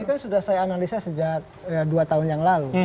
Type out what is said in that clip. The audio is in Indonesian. ini kan sudah saya analisa sejak dua tahun yang lalu